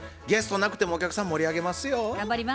ゲストなくてもお客さん盛り上げますよ。